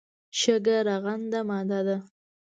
شګه رغنده ماده ده.